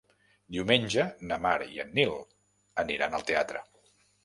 Diumenge na Mar i en Nil aniran al teatre.